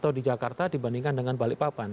atau di jakarta dibandingkan dengan balikpapan